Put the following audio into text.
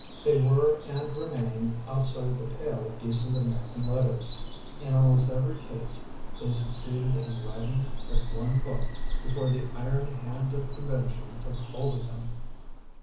They were and re main outside the pale of decent Amer ican letters. In almost every case they succeeded in writing but one book before the iron hand of con vention took hold of them.